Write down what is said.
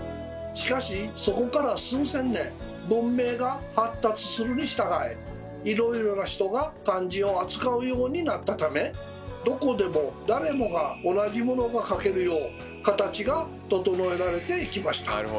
しかしそこから数千年文明が発達するにしたがいいろいろな人が漢字を扱うようになったためどこでも誰もが同じものが書けるよう形が整えられていきました。